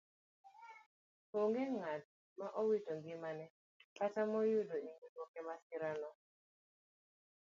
Onge ng'at ma owito ngimane kata ma oyudo inyruok emasirano.